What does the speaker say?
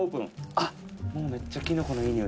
あっ！」